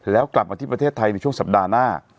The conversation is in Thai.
แล้วกลับมาที่ประเทศไทยในช่วงสัปดาห์หน้า